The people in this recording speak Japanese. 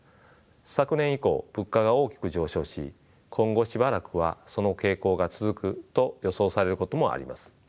昨年以降物価が大きく上昇し今後しばらくはその傾向が続くと予想されることもあります。